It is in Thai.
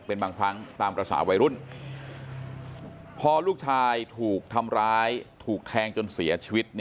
เป็นบางครั้งตามภาษาวัยรุ่นพอลูกชายถูกทำร้ายถูกแทงจนเสียชีวิต